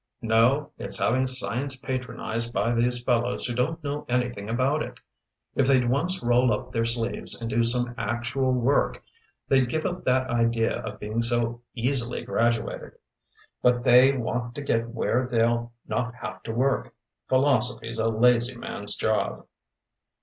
"No, it's having science patronised by these fellows who don't know anything about it. If they'd once roll up their sleeves and do some actual work they'd give up that idea of being so easily graduated. But they want to get where they'll not have to work. Philosophy's a lazy man's job."